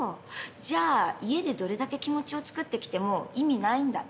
じゃあ家でどれだけ気持ちをつくってきても意味ないんだ。